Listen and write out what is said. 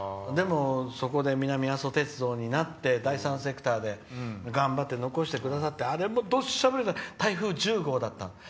そこで南阿蘇鉄道になって第３セクターで頑張って残してくださってあれも、土砂降りで台風１０号だった。